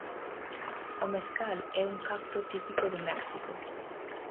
O mezcal é un cacto típico de México.